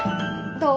どう？